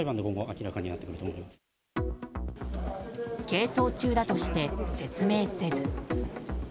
係争中だとして説明せず。